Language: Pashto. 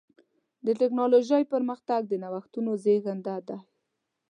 د ټکنالوجۍ پرمختګ د نوښتونو زېږنده دی.